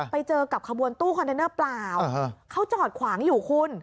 ไปเจอกับขบวนตู้คอนเทนเนอร์เปล่าเขาจอดขวางอยู่คุณ